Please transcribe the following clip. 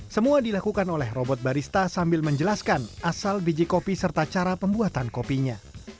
semua dilakukan oleh robot barista sambil menjelaskan asal biji kopi serta cara pembuatan kopinya